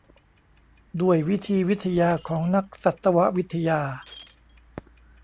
ด้วยวิธีวิทยาของนักสัตววิทยา